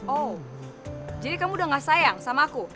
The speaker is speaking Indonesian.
oh jadi kamu udah gak sayang sama aku